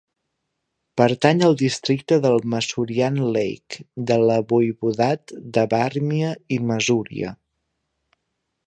Pertany al districte del Masurian Lake de la voivodat de Vàrmia i Masúria.